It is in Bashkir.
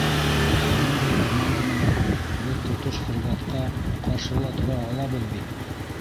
Бындай команда менән беҙ тотош фрегатҡа ҡаршы ла тора алабыҙ бит.